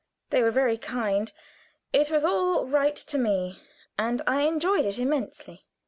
They were very kind. It was all right to me, and I enjoyed it immensely.